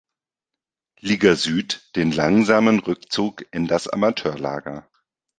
Liga Süd den langsamen Rückzug in das Amateurlager.